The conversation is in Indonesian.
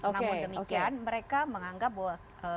namun demikian mereka menganggap bahwa